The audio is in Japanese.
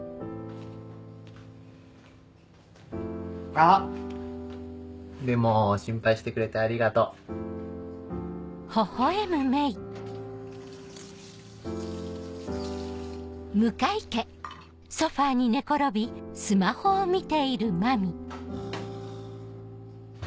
あっでも心配してくれてありがとう。ハァ。